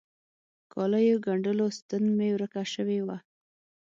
کاليو ګنډلو ستن مي ورکه سوي وه.